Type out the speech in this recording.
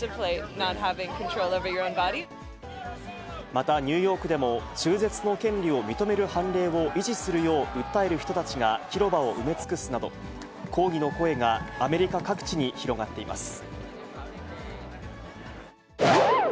また、ニューヨークでも、中絶の権利を認める判例を維持するよう訴える人たちが広場を埋め尽くすなど、抗議の声がアメリカ各地に広がっています。